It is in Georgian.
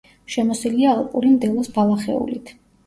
შემოსილია ალპური მდელოს ბალახეულით.